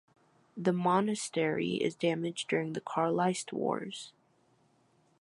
The monastery is damaged during the Carlist Wars.